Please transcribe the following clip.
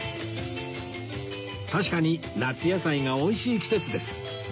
確かに夏野菜が美味しい季節です